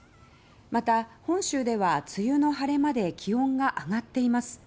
また、本州では梅雨の晴れ間で気温が上がっています。